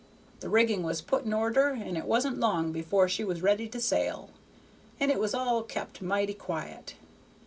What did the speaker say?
The rigging was put in order, and it wasn't long before she was ready to sail, and it was all kept mighty quiet.